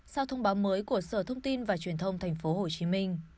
sau thông báo mới của sở thông tin và truyền thông tp hcm